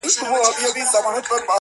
چي یو ځل مي په لحد کي زړګی ښاد کي!!